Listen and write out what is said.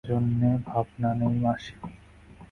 সেজন্যে ভাবনা নেই মাসি।